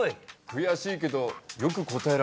悔しいけどよく答えられるな。